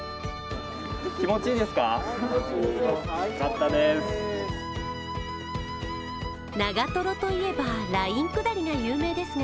気持ちいいですよ。